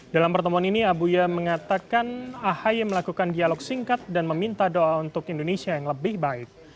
dalam pertemuan ini abuya mengatakan ahy melakukan dialog singkat dan meminta doa untuk indonesia yang lebih baik